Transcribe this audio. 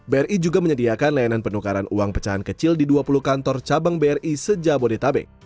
bri juga menyediakan layanan penukaran uang pecahan kecil di dua puluh kantor cabang bri sejak bodetabek